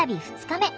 ２日目。